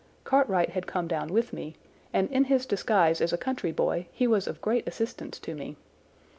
Cartwright had come down with me, and in his disguise as a country boy he was of great assistance to me.